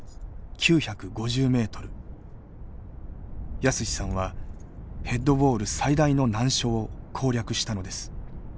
泰史さんはヘッドウォール最大の難所を攻略したのです。